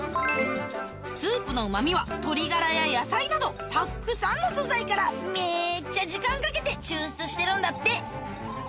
スープの旨味は鶏ガラや野菜などたくさんの素材からめっちゃ時間かけて抽出してるんだって